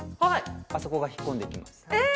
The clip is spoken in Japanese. あそこが引っ込んできますえ！